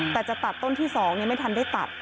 แต่จะตัดต้นที่๒ไม่ทันได้ตัด